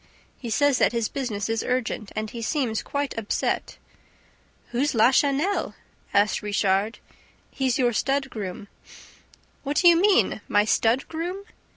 "He says that his business is urgent and he seems quite upset." "Who's Lachenel?" asked Richard. "He's your stud groom." "What do you mean? My stud groom?"